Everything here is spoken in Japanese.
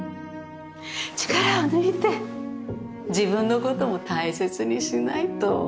力を抜いて自分のことも大切にしないと。